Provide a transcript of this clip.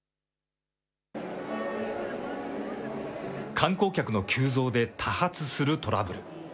観光客の急増で多発するトラブル。